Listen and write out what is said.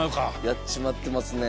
やっちまってますね。